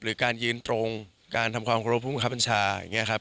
หรือการยืนตรงการทำความเคราะห์ภูมิข้าวปัญชาอย่างนี้ครับ